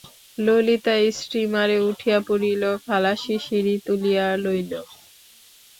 ললিতা স্টীমারে উঠিয়া পড়িল– খালাসি সিঁড়ি তুলিয়া লইল।